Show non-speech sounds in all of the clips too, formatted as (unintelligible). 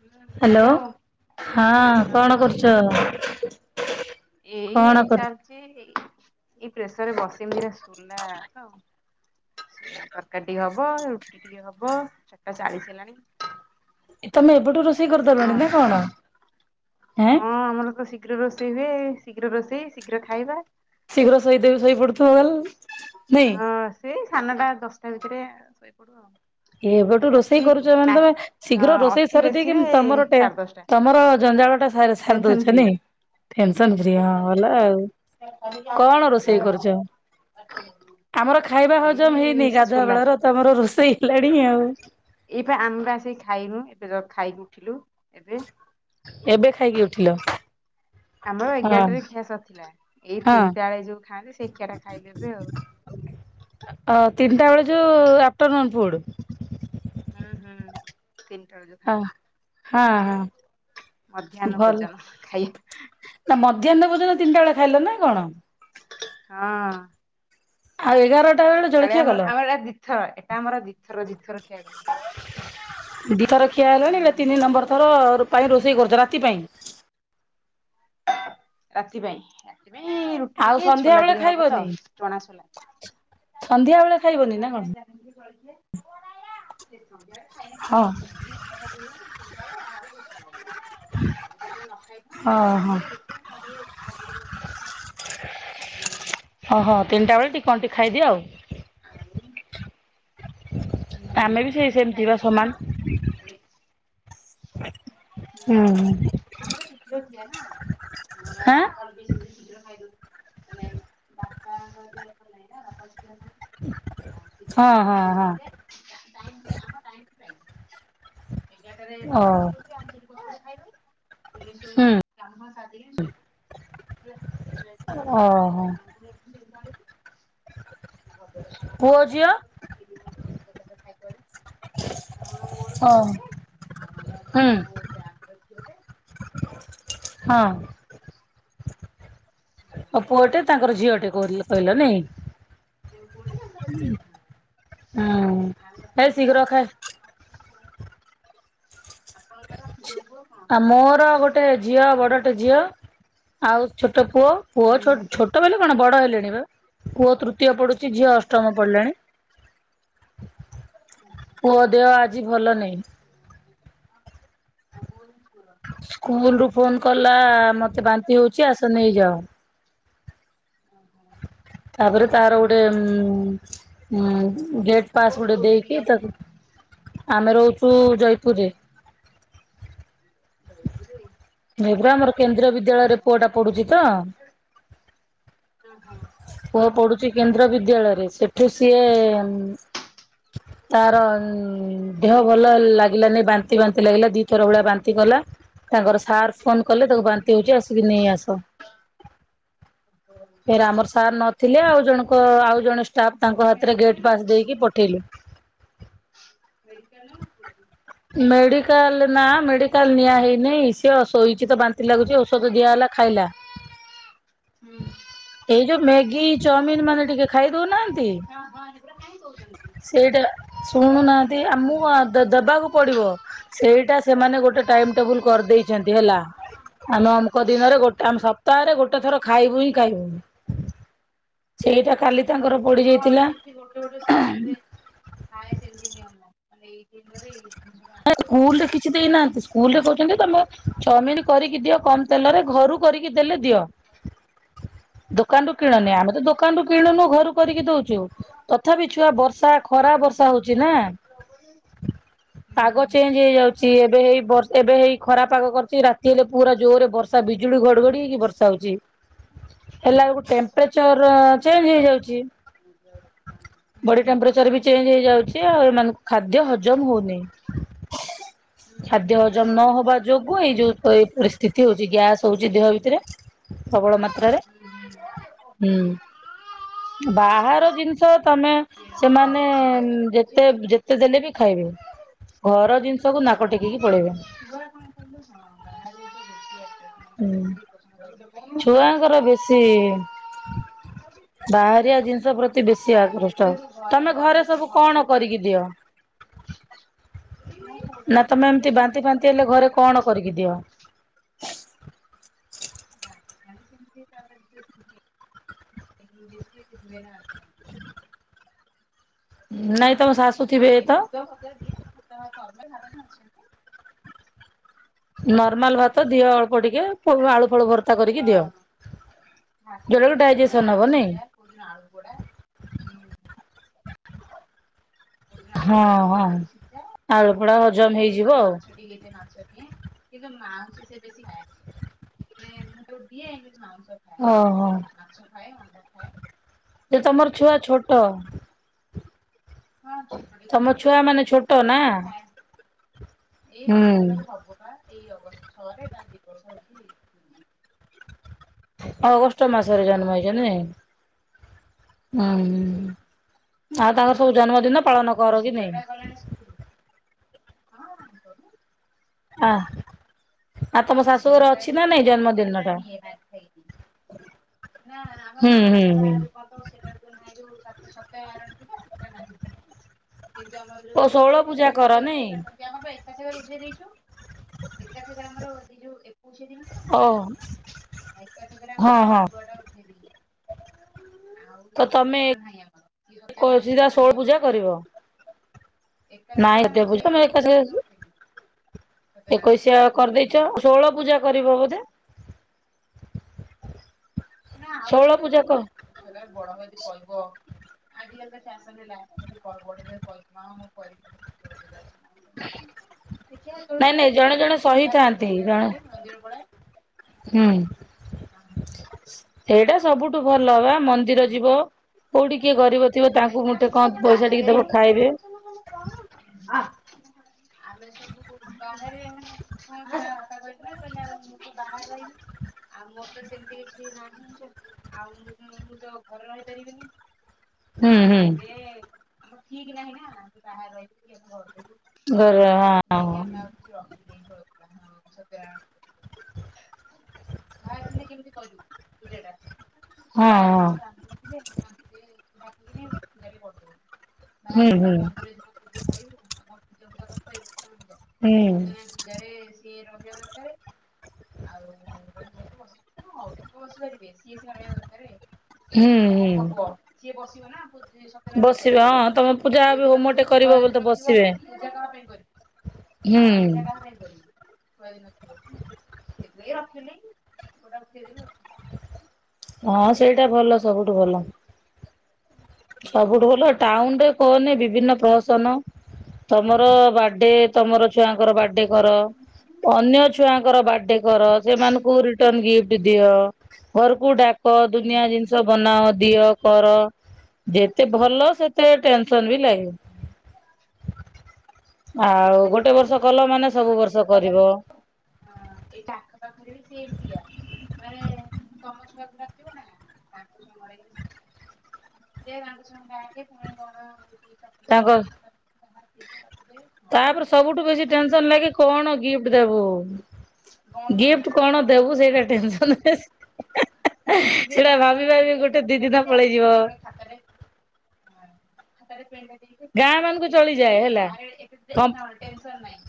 ହୁଁ hello! Hello ହଁ କଣ ହଁ କରୁଛ? ଏଇ କଣ କରୁ ଚାଲିଚି ଏଇ ପ୍ରେସରରେ ବସେଇମି ଦିଟା ସୁ ଚୁଲା ତ ସେ ତରକାରୀ ଟିକେ ହବ। ହବ। ରୁଟି ଟିକେ ହବ। ଚାର୍ ଟା ଚାଳିଶ ହେଲାଣି। ତମେ ଏବେଠୁ ରୋଷେଇ କରିଦବା କରିଦଲଣି ନା କଣ? ହେଁ ହଁ ଆମର ତ ଶୀଘ୍ର ରୋଷେଇ ହୁଏ, ଶୀଘ୍ର ରୋଷେଇ ଶୀଘ୍ର ଖାଇବା। ଶୀଘ୍ର ଶୋଇ ଦେବେ। ଶୋଇ ପଡୁଥିବ। (unintelligible) ନାଇଁ ହଁ, ସେ ସାନ ଟା ଦଶଟା ଭିତରେ ଶୋଇପଡି଼ବ ଆଉ। ଏବେଠୁ ରୋଷେଇ ଅତି କରୁଛ, ମାନେ ମା ତମେ ହଁ ଶୀଘ୍ର ରୋଷେଇ ଅତି ସାରିଦେଇକି ବେଶୀରେ ତମର ଟେ, ସାଢେ ଦଶଟା ତମର ଜଞ୍ଜାଳ ଟା- ସାର୍ ସାରି ଟେନସନ ଦଉଛ ଫ୍ରି ନାଇଁ ଟେନସନ୍ ଫ୍ରି ହଁ, ଭଲ ଆଉ। କଣ ରୋଷେଇ କରୁଚ? ଆମର ଖାଇବା ହଜମ ହେଇନି, ଏଇ ଗାଧୁଆ ସୋଲା ବେଳର ତମର ରୋଷେଇ ହେଲାଣି ଆଉ। ଏଇପା ଆମେବା ଆସିକି ଖାଇନୁ। ଏବେ ଖାଇନି ଉଠିଲୁ ଏବେ। ଏବେ ଖାଇକି ଉଠିଲ। ଆମର ହଁ ଏଗାରଟାରେ ଖିଆ ସରିଥିଲା। ଏଇ ହଁ ତିନିଟା ବେଳେ ଯୋଉ ଖାଆନ୍ତି! ସେଇ ଖିଆ ଟା ଖାଇଲି ଏବେ ଆଉ। ତିନିଟା ବେଳେ ଯୋଉ ଆଫ୍ଟରନୁନ୍ ଫୁଡ଼। ହୁଁ ହୁଁ। ତିନିଟା ବେଳେ ଯୋଉ ଆ ଖାଆନ୍ତି ହାଁ ହାଁ। ମଧ୍ୟାହ୍ନ ଭଲ ଭୋଜନ ଖାଇବା ନା ମଧ୍ୟାହ୍ନ ଭୋଜନ ତିନିଟା ବେଳେ ଖାଇଲ ନା କଣ? ହଁ। ଆଉ ଏ ସକାଳେ ଆମର, ଆମର ଏଟା ଦିଥର ଏଟା ଆମର ଦି ଥର ଦି ଥର ଖିଆ ଗଲା। ଦିଇଥର ଖିଆ ହେଲାଣି। ହୁଁ ଏଟା ତିନି ନମ୍ବର ଥର ପାଇଁ ରୋଷେଇ କରୁଛ ରାତି ପାଇଁ। ରାତିପାଇଁ ରାତିପାଇଁ ରୁଟି ଆଉ ଟିକେ ସନ୍ଧ୍ୟା ଛୋଲା ବେଳେ ଟିକେ ହବ ତ! ଖାଇବନି ଚଣା ସୋଲା ସନ୍ଧ୍ୟା ବେଳେ ଖାଇବନି ନା କଣ? ହଁ (inaudible) ହଁ ହଁ (inaudible) ହୁଁ। ଓହୋ ତିନିଟା ବେଳେ ଟିକେ କଣ ଟିକେ ଖାଇଦିଅ ଆଉ। (inaudible) ହୁଁ ଆମେ ବି ସେଇ ସେ ସେମିତି ଖାଇ ବା ଦେଇକି ଖାଉ ସମାନ। ପୁଣି ହୁଁ ଆମର ଶୀଘ୍ର ଖିଆ ନା ଆମର ହାଁ ସକାଳୁ। (unintelligible) ଶୀଘ୍ର ଖାଇ ଦଉଛୁ ମାନେ ବାପାଙ୍କର ଦେହ ଭଲ ନାହିଁ ନା (unintelligible) ଶୀଘ୍ର ହଁ ଆମର ହଁ ହଁ। (inaudible) ଆମ ଟାଇମ୍ ଟୁ ଟାଇମ୍। ଏଗାର ଟା ରେ ଓ ବାପା ଖାଇ ପଡ଼ି ଥିବେ, ଆମେ ସେଠି ବସିକି ଖାଇଦଉ। ପୁଣି ଶୋଇ ହୁଁ (unintelligible) ଖାଇ ଦେଇକି ଶୋଇପଡି଼ବୁ ହେଲା। ସେଇଥି ପାଇଁ। ଓହୋ। ଘରଦ୍ୱାର ସଫା ପୁଅ, ସଫି ସରେ ଝିଅ। ତାପରେ ସେଇ ଯୋଉ ସିଧା ସାଧା ଖାଇକି ହଁ ମୋର ଓ ପୁଅଟେ ଆଉ ଆମର ହୁଁ ଝିଅ ଟେ ଆଠ ଦଶ ହଁ। ଓ ପୁଅ ଟେ, ତାଙ୍କର ଝିଅ ଟେ କୋଉଲ କହିଲ ନାଇଁ। ମୋର ପୁଅଟେ ତାଙ୍କର ଝିଅଟେ ଆଉ ହଁ, ହେ ଆପଣଙ୍କର ଶୀଘ୍ର ଖା ଆପଣଙ୍କର ଯୋଉ। ଆ ମୋର ଗୋଟେ ଝିଅ ବଡ଼ଟେ ଝିଅ ଆଉ ଛୋଟ। ଛୋଟ ପୁଅ ପୁଅ ଛୋଟ ବଲେ କଣ ବଡ ହେଲେଣି ବା ପୁଅ ତୃତୀୟ ପଡ଼ୁଛି। ଝିଅ ଅଷ୍ଟମ ଆଚ୍ଛା ପଡ଼ିଲାଣି। ପୁଅ ଦେହ ଆଜି ଭଲ ନାହିଁ। ଆଉ କଣ ହେଇଚି। ସ୍କୁଲ ରୁ ଫୋନ କଲା ମତେ ବାନ୍ତି ହଉଛି ଆସ ନେଇଯାଅ ତାପରେ ତାର ଗୋଟେ ଉମ୍- ହୁଁ ଗେଟ୍ ପାସ୍ କୋଉଠି ଗୁଟେ ରହୁଛନ୍ତି କି ଦେଇକି ଆପଣ? ତାକୁ ଆମେ ରହୁଛୁ ଜୟପୁରରେ। (unintelligible) ଏବେ ଆମର କେନ୍ଦ୍ରୀୟ ବିଦ୍ୟାଳୟରେ ପୁଅ ଟା ପଢୁଛି ତ ପୁଅ ପଢୁଛି କେନ୍ଦ୍ର ବିଦ୍ୟାଳୟରେ ସେଠୁ ସିଏ ତାର ଦେହ ଭଲ ଲାଗେ ଲାଗିଲ ବାନ୍ତି ବାନ୍ତି ଲାଗିଲା ଦି ଥର ଭଳିଆ ବାନ୍ତି କଲା ତାଙ୍କର ସାର୍ ସେଗୁଡା ଫୋନ କଲେ ତାକୁ ବାନ୍ତି ହଉଛି ଆସିକି ନେଇ ଆସ ମୋର ସାର୍ ନଥିଲେ ଆଉ ଜଣଙ୍କ ଆଉ ଜଣେ ଷ୍ଟାଫ ତାଙ୍କ ହାତରେ ଗେଟ୍ ପାସ୍ ଦେଇକି ପଠେଇଲୁ ମେଡିକାଲ ନା ମେଡିକାଲ ନିଆ ହେଇନି ସିଏ ସୋଇ ତ ବାନ୍ତି ଲାଗୁଛି ଔଷଧ ଦିଆ ହେଲା ଖାଇଲା ଏଇ ଯୋଉ ମ୍ୟାଗି ଚାଉମିିନ ମାନେ ଟିକେ ଖାଇଦଉନାହାନ୍ତି ହଁ ସୋ ଦେଉଛନ୍ତି ସେଗୁଡ଼ା ଭଲ ଜିନିଷ ନୁହଁ ହ ଦେବାକୁ ପଡିବ ସେଇଟା ସେମାନେ ଗୋଟେ ଟାଇମ ଟେବୁଲ କରିଦେଇଛନ୍ତି ହେଲା ଆମେ ଅମଙ୍କ ଦିନରେ ନୁହଁ। ଗୋଟେ ଆମେ ସପ୍ତାହରେ ଗୋଟେ ଥର ଖାଇବୁ ହିଁ ଖାଇବୁନ ଓହଃ ହଁ ସେମତି ଗୋଟେ ଗୋଟେ ସ୍କୁଲରେ ସେମତି ନିଅ ସ୍କୁଲରେ କିଛି ଦେଇନାହାନ୍ତି ସ୍କୁଲ ରେ କହୁଛନ୍ତି ତମ ଚାମିନ କରିକି ଦିଅ କମ ତେଲରେ ଘରୁ କରିକି ଦେଲେ ଦିଅ ଦୋକାନ ରୁ କିଣୁନି ଆମେ ତ ଦୋକାନ ରୁ କିଣୁନୁ ଘରୁ କରିକି ଦଉଛୁ ତଥାପି ଛୁଆ ବର୍ଷା ଖରା ବର୍ଷା ହଉଛି ନା ପାଗ ଚେଞ୍ଜ ହେଇଯାଉଛି ଏବେ ହେଇ ବର୍ଷ ଏବେ ହେଇ ଖରାପ ପାଗ କରିଛି ରାତି ହେଲେ ପୁରା ଜୋରରେ ବର୍ଷା ବିଜୁଳି ଘଡଘଡି ହେଇକି ବର୍ଷା ହଉଛି। ହେଲା ଗୋ ଟେମ୍ପରେଚର ଚେଞ୍ଜ ହେଇଯାଉଛି। ବଡି ଟେମ୍ପରେଚର ବି ଚେଞ୍ଜ ହେଇଯାଉଛି ଆଉ ଏମାନଙ୍କୁ ଖାଦ ଖାଦ୍ୟ ହଜମ ହଉନି ଖାଦ୍ୟ ହଜମ ନ ହବା ଯୋଗୁ ଏଇ ଯୋଉ ପରିସ୍ଥିତି ହଉଛି ଗ୍ୟାସ୍ ହଉଛି ଦେହ ଭିତରେ ପ୍ରବଳ ମାତ୍ରାରେ ହୁଁ ବାହାର ଜିନିଷ ତମେ ସେମାନେ ଯେତେ ଯେ ହେଲେ ବି ଖାଇବେ ଘର ଜିନିଷକୁ ନାକ ଟେକିକି ପଳେଇବେ ହଁ ଗ ହୁଁ ଛୁଆଙ୍କର ବେଶୀ ବାହାରିଆ ଜିନିଷ ପ୍ରତି ବେଶୀ ଆକର୍ଷ ତ ଯେତେ ତୁ ତମେ ଘରେ ବନେଇକି ସବୁ ଭଲସେ କଣ ଦେ କରିକି ସେ ଦିଅ? ମୁଁ କୋଉଟା ତ ନା ତମେ ଛୋଟଟେ ଏମିତି ମୁଁ ବାନ୍ତି କିଛି କରିନି। ଫାନ୍ତି ହେଲେ ଘରେ କଣ କରିକି ଦିଅ? (inaudible) (inaudible) ହୁଁ ନାଇଁ ଥିବେ ତ (unintelligible) ନର୍ମାଲ ଭାତ ଦିଅ ଅଳ୍ପ ଟିକେ ଆଳୁ ଫଳୁ ଭର୍ତ୍ତା କରିକି ଦିଅ। ହଁ ଭାତ ଯୋଉଟା କି ଦ ସେ ଡାଇଜେସନ ହବ ଆଳୁ ନାଇଁ ସିଯା କୋଉଁ ଆଳୁ ପ (inaudible) କୋଉଦିନ ଆଳୁ ହଁ ପୋଡା ହଁ କୋଉଦିନ ଆଳୁ ସିଝା ଆଳୁପୋଡ଼ା (unintelligible) ମାଛ ଦଏ କିନ୍ତ ମାଉସ ସେ ବେଶୀ ଖାଏନି ମୁଁ ଯୋଉ ଦିଏ ମାଉ ଓହୋ। (inaudible) ଯେ ତମର ଛୁଆ ଛୋଟ ହଁ ଛୋଟ ତମ ଛୁଆ ମାନେ ଛୋଟ ନା? (unintelligible) ଏଇ ହୁଁ ଦିବସରାଳ ହବ ବା। ଏଇ ଅଗଷ୍ଟ ଛଅରେ ତାକୁ ଦି ବର୍ଷ ହଉଚି। ଅଗଷ୍ଟ ମାସରେ ଜନ୍ମ ହେଇଚନ୍ତି ନାଇଁ? ହୁଁ ଅଗଷ୍ଟ ମାସ ଆଉ ତାଙ୍କର ସବୁ ଜନ୍ମଦିନ ପାଳନ ଆମ କର କି ଝିଅ ନାଇଁ? ଟା ଗଲାଣି ସ୍କୁଲୁ ହଁ। କହୁନୁ ଆଃ। ଆମ ଝିଅ ଟା ଯଉ ନିଏ ସିଏ ତା ଟା? ନିଏନା (unintelligible) ନା ଆମର ହୁଁ ହୁଁ ଷୋଳବଲା ହୁଁ। ଆ ଯଉ କରିଦବ ସେଟା ଯୋ ସତ୍ୟବାରଣ ପୂଜା ସେଟା ନାହିଁ। କି ଜମ ଓ ଯଉ ଷୋହଳ ମାନେ ଯଉ ପୂଜା କର କେକେ ନାଇଁ ଫେକ କାଟନ୍ତି ଆମ ଏକାଶରେ ରୁଝେଇ ଦେଇଛୁ ଏକା ସହ ଆର ସେ ଯଉ ଓ (unintelligible) ଏକା ସାଙ୍ଗରେ ହଁ ହଁ ପୁଅର ଉଠେଇ ଦେଇ ଆଉ ତ କୁଶଳ ତମେ ଗଲା ନାହିଁ ଆମର (unintelligible) ଆଣିଥିଲେ ସିଧା ଯେ ଷୋଳ ନାହିଁ ପୂଜା ଆମର। କରିବ ଏକାଶୀ ନାଇଁ ରେ ଏତେ ଆମର ପୂଜା ସେଇ ତମେ ଏକା ଏକୋଇସିଆ ଦିନ ସାଙ୍ଗେ ଉଠେଇ ଦେଇଚୁ ସତ୍ୟନାରାୟଣ କରିଦେଇଚ ହୁଁ ଷୋହଳ ପୂଜା କରିବ ବୋଧେ? ନା ଆଉ ଷୋହଳ କେହି କରିବୁ ପୂଜା କ ଛୋ ବଡ ହବ ଜଦି କରବ ଆଜିକାଲି ତ ଚାଷ (unintelligible) ଗଡ ବଡ ହେଲେ କହିବ ମୁଁ କରିବି ନା ଶୋଳ ପୂଜା। (inaudible) ନାଇଁ ଦେଖିବା ନାଇଁ ଜଣେ ଜଣେ ସହିଥାନ୍ତି ହେତେବେଳକୁ ଜଣେ ଆଉ (unintelligible) ମନ୍ଦିର ବୋଳା ହୁଁ ଏଇଟା ସବୁଠୁ ଭଲ ବା ମନ୍ଦିର ଯିବ। କୋଉଠି କିଏ ଗରିବ ଥିବ ତାଙ୍କୁ କାହିଁକିନା ଆମେ ମୁଠେ ସବୁ କଣ ପଇସା ଟିକେ ବାହାରେ ଦବ ଖାଇବେ। (inaudible) ଆ ସବୁ ବାହରେ ମାନେ (unintelligible) କହିଲା, ମୁଁ ତ ବାହାରେ ରହିଲି। ଆଉ ମୋର ତ ସେମିତି କିଛି ନାହିଁ ଆଉ। ମୁଁ ତ ଘରେ ରହିପାରିବିନି। ହୁଁ ହୁଁ। ଆଉ ସେ ଆପଣ ଠିକ ନାହିଁ ନା ବାହରେ ରହିବି କି ଏ ଘର ଘରେ ହଁ। (unintelligible) ଭଁ ଏଥିିନେ କେମତି କଲୁ ତୁଯେଟା ଗାଁ ରେ ହଁ ବା (unintelligible) ବାହାରେ ହଁ ସିନା ହୁଁ ମନ୍ଦିର (unintelligible) ହୁଁ ସତ୍ୟନାରାୟଣ ପୂଜାରେ ସିଏ ରହ ହିବା ଦରକାର। ଆଉ ଲୋକ (unintelligible) ଲୋକ ଆସିପାରିବେ, ସିଏ ସିନା ରହିବା ଦରକାର। ହୁଁ ଯାହାର ହୁଁ। ହବ ସିଏ ବସିବ ନା ସତ୍ୟନାରାୟଣ ବସିବେ ପୂଜାରେ ହଁ ତମେ ଆଉ ପୂଜା ସିଏ ବି ଯଦି ହୋମ ଟେ ନଥିବ, ଛୁଆ କରିବ ବୋଲି ତ ଯଦି ନଥିବ ବସିବେ। ପୂଜା କାହା ପାଇଁ କରିବ? ହୁଁ ହଁ ପୂଜା କାହାପାଇ କରି ଛଆଦିନ ଥିବ ଏବେ ରଖିଲି ନାଇଁ (unintelligible) ହଁ ସେଇଟା ଭଲ ସବୁଠୁ ଭଲ। ଆଉ। ସବୁଠୁ ଭଲ ଟାଉନରେ କହନି ବିଭିନ୍ନ ପ୍ରହସନ ତମର ବା ବାଡେ ହୁଁ ତମର ଛୁଆଙ୍କର ବାର୍ଥଡେ କର। ଅନ୍ୟ ଛୁଆଙ୍କର ବାର୍ଥଡେ କର ସେମାନଙ୍କୁ ରିଟର୍ଣ ଗିଫ୍ଟ ହୁଁ ଦିଅ। ଘରକୁ ଡାକ ଦୁନିଆ ହୁଁ ଜିନିଷ ବନାଅ ଦିଅ କର। ଯେତେ ଭଲ ସେତେ ଟେନସନ ବି ଲାଗେ। ଆଉ ଗୋଟେ ଆମର ବର୍ଷ କଲ ଏଠି ମାନେ ସବୁ ବର୍ଷ ପାଖରେ କରିବ। ଏଇଟା ଆଖପାଖରେ ବି ସେତିଆ ମାନେ ତମ ଛୁଆକୁ ଡକିବ ନା ତା (unintelligible) ଦେ (unintelligible) ଡାକେ ପୁଣି କଣ ହ ତା କ ଦେ କଣ ତାପରେ କହିବି କଣ ସବୁଠୁ ବେଶି ଟେନସନ ଲାଗି କଣ ଗିଫ୍ଟ ଦେବୁ। ଗିଫ୍ଟ ହଁ କଣ ବା ଦେବୁ ସେଇଟା ଟେନସନ। କେବେ ଗାଁ ଗହଳିରେ ଗୋଟେ ଦି କଣ ଦିନ ପଳେଇଯିବ (unintelligible) ଖାତରେ ଖାତାରେ ପେଣ୍ଡ ଗାଁ ମାନଙ୍କୁ ଦେଇଇ (inaudible) ଚଳିଯାଏ ଏଇ ହେଲା। ଗାଁ କମ୍ପ ରେ ଟେନସନ ନାହିଁ।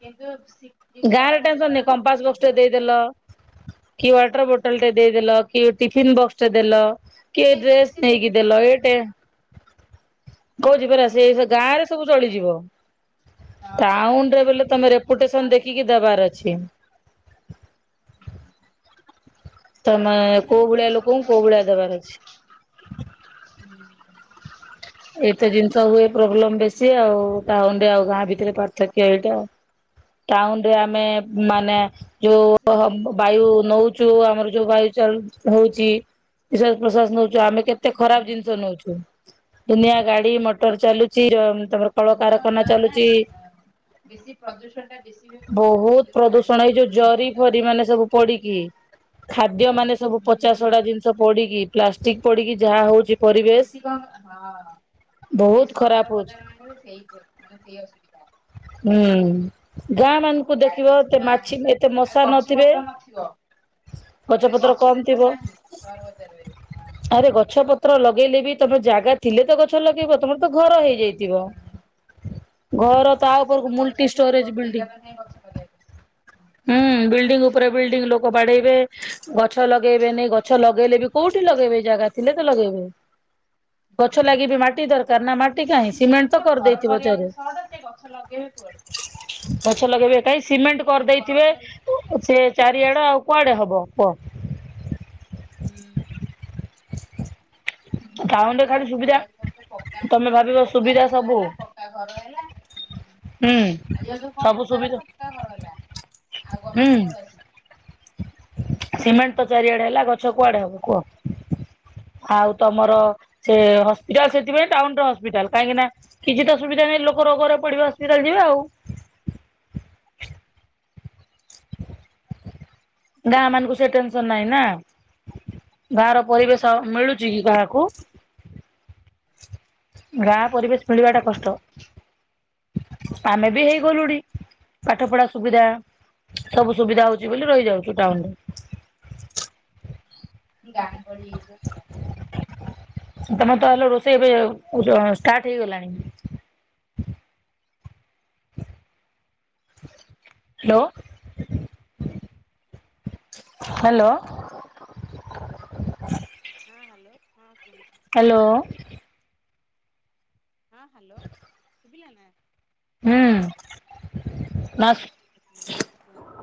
କିନ୍ତୁ ସି ଗାଁରେ ଟେନସନ ନହିଂ କମ୍ପାସ ବକ୍ସ ଟେ ଥାଏ। ଦେଇଦେଲ କି ୱାଟର ବୋଟଲ ଟେ ଦେଇଦେଲ କି ଟିଫନ୍ ବକ୍ସ ଦେଲ କି ସେଇଥିରେ ଖୁସି ଡ୍ରେସ ନେଇକି ସେଇଥିରେ ଖୁସି ଦେଲ ହେଇଯିବେ ଏଟେ ସେଇଥିରେ କୋଉଜି ପରା ଖୁସି ସେ ହେଇଯିବେ। ଗାଁ ରେ ସବୁ ଚଳିଯିବ। ହଁ ଏମାନେ (inaudible) ଟାଉନରେ ବୋଲେ ତମେ କିଂନ୍ତୁ (unintelligible) ରେପୁଟେସନ ଦେଖିକି ଦେବାର ଅଛି ତମେ ଯିଏ କୋଉ ଭଳିଆ ଯୋଉ ଲୋକଙ୍କୁ କୋଉ ମାନେ ଭୁଳିଆ ଦେବାର ଅଛି ଏଇତେ ଜିନିଷ ହୁଏ ପ୍ରୋବ୍ଲେମ ବେଶୀ ଆଉ ଟାଉନ ରେ ଆଉ ଗାଁ ଭିତରେ ପାର୍ଥକ୍ୟ ଏଇଟା ଆଉ। ଟାଉନରେ ଆମେ ମାନେ ଯୋଉ ଅସୁବିଧା ବାୟୁ ନଉ ଚୁ ଆମର ଯୋଉ ବାୟୁ ଚାଳ ହଉଛି ନିଶ୍ୱାସ ପ୍ରଶ୍ୱାସ ନଉ- - ଆମେ କେତେ ଖରାପ ଜିନିଷ ନଉଛୁ। ଦୁନିଆ ଗା ଏ ମଟର ଆଉ ଚାଲୁଛି ତଳ ତଳ ଧୂଆଁ କାରଖାନା ଫୁଆଁ ନା ଚାଲୁଛି। ବେଶୀ ପ୍ରଦୂଷଣ ଟା ବେଶୀ ହୁଏ କୋଉଥିରୁ ସେଇ ବହୁତ ଯୋଉ ଗାଡି ପ୍ରଦୂଷଣ ଏଇ ଫାଡି ଯୋଉ ଜରି ଧୂଆଁ ଫରି ଗୁଡାକ। ମାନେ ସବୁ ପୋଡିକି ଖାଦ୍ୟ ମାନେ ସବୁ ହୁଁ ହୁଁ। ପଚାସଡା ଜିନିଷ ପୋଡିକି ପ୍ଲାଷ୍ଟିକ ପୋ ଡିକି ଯାହା ହଉଛି (inaudible) ପରିବେଶ କନ ହଁ (inaudible) ବହୁତ ଖରାପ ସହର ହଉଛି ବଜାରରେ ସେଇ ମାନେ ସେଇ ଅସୁବିଧା ହୁଁ ଗାଁ ମାନଙ୍କୁ ଗାଡିର ଦେଖିବ ଏତେ ଧୂଆଁ ମାଛି କି ଏତେ ଆଉ ମଶା ଗଛ ନଥିବେ। ପତ୍ର ନଥିବ ଗଛ ମାନେ ପତ୍ର କମ ଗଛପତ୍ର ବି ଥିବ ନାହିଁ ସହର ବଜାର ରେ ଆରେ ଗଛ ପତ୍ର ଲଗେଇଲେ ବି ତମର ଜାଗା ଥିଲେ ତ ଗଛ ଲଗେଇବ ତମର ତ ଘର ହେଇଯାଇଥିବ। ଘର ତା ସେ ସବୁ ଉପରକୁ ତ ଘର ମୁଲ୍ଟି ଷ୍ଟୋରେଜ ଚାଲିଲାଣି ବିଲ୍ଡିଂ। ଯେଗା ଟ ନାହିଁ ଗଛ ଲଗେଇ ବା ପାଇଁ। ହୁଁ ବିଲ୍ଡିଙ୍ଗ ଉପରେ ବିଲ୍ଡିଂ ଲୋକ ବାଡେଇବେ ଗଛ ଲଗେଇବେନି ଗଛ ଲଗେଇଲେ ବି କୋଉଠି ଲଗେଇବେ ଜାଗା ଥିଲେ ତ ଲଗେଇବେ। ଗଛ ଲାଗି ବି ମାଟି ଦରକାର ନା ମାଟି କାହିଁ ସିମେଣ୍ଟ ତାଙ୍କୁ ତ ଘର କରିଦେଇଥ ବ କରିବାକୁ ଚାରେ ସହଜ ସେ ଗଛ ଲଗେଇବେ କୁଆଡୁ। ଗଛ ଲଗେଇବେ କାହିଁ ସିମେଣ୍ଟ ମାନେ ଘର କରିଦେଇଥିବେ କରି ସେ ଚି ଚାରିଆଡେ ଆଉ କୁଆଡେ ହବ କୁହ ହଁହୂ ଟାଉନରେ ଖାଲି ସୁବିଧା ଆଜିକାଲି ସବୁ ତ ପକ୍କା ତମେ ଭାବିବ ପକ୍କା ସୁବିଧା ସବୁ ହୁଁ ଆଜି କାଲି କଣ ସବୁ ପକାର ସୁବିଧା ସକା ଘର ହେଲା ଆଉ ଗଛ ହୁଁ। କୁଅ ଡୁ ଆସି ସିମେଣ୍ଟ ତ ଚାରିଆଡେ ହେଲା ଗଛ କୁଆଡେ ହବ କୁହ? ଆଉ ତମର ସେ ହସ୍ପିଟାଲ ସେଥିପାଇଁ ଟାଉନ ର ହସ୍ପିଟାଲ କାହିଁକି ନା କିଛି ତା ସୁବିଧା ନାହିଁ ଲୋକ ଘ ଘରେ ପଡିବା ହସ୍ପିଟାଲ ଯିବେ ଆଉ ଗାଁ ମାନଙ୍କୁ ସେ ଟେନସନ ନାହିଁ ନା ଗାହାର ପରିବେଶ ମିଳୁଛି କି କାହାକୁ? ଗାଁ ପରିବେଶ ମିଳିବା ଟା କଷ୍ଟ ଆମେ ବି ହେଇଗଲୁଣି ପାଠ ପଢା ସୁବିଧା ସବୁ ସୁବିଧା ହଉଛି ବୋଲି ରହିଯାଉଚୂ ଟାଉନରେ ଗାଁ ଗାଳି (inaudible) ତମେ ତ ହେଲେ ରୋଷେଇ ଏବେ ଉଦୟ ଷ୍ଟାର୍ଟ ହେଇଗଲାଣି ହାଲୋ। ହାଲୋ। ହଁ ହାଲୋ ହଁ କୁହନ୍ତୁ। ହ୍ୟାଲୋ। ହଁ ହାଲୋ ଶୁଭିଲା ନା? ହୁଁ ମାସ୍ ହୁଁ କୁହନ୍ତୁ।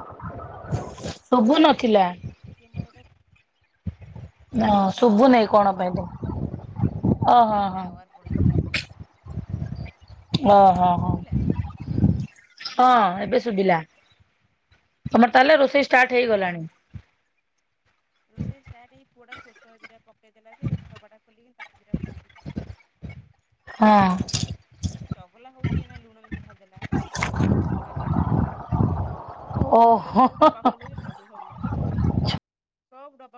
ଶୁଭୁ ନଥିଲା। ଏଠି ମୋର ଗୋଟେ ହଁ ଶୁଭୁ ନାହିଁ କଣ ପାଇଁ ତମକୁ। ଏଯେ ଟାୱାର ପଳେଇଥିଲା। ଓ ହୋ ଏବେ ହଁ ଶୁଭିଲା ହଁ ଏବେ ଶୁଭିଲା। ତମର ତାହେଲେ ରୋଷେଇ ଷ୍ଟାର୍ଟ ହେଇଗଲାଣି? ରୋଷେଇ ଷ୍ଟାର୍ଟ୍ ହେଇ ପୁଅଟା ସୋରିଷ ଦିଟା ପ ପକେଇ ଦେଲା ଯେ ଡବାଟା ଖୋଲିକି ତାକୁ ଦିଟା ପୁଣି ପୋ (inaudible) ହଁ ସେ ଚଗଲା ହଉଛି ଏଇନା ଲୁଣ ମେଞ୍ଚେ ଢାଳିଦେଲା ରୋଷୋ ସୋରିଷ ଗୁଡାକ କେମିତି ଢାଳିଦେଲା। ଖାଲି ସବୁ ଓହୋ। ଡବା ଖୋଲି ଦଉଛି ଢାଳି ଦଉଛି ସବୁ ଜିନିଷ, ସବୁ ଡବା